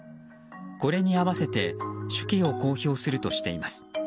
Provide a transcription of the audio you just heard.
これに合わせて手記を公表するとしています。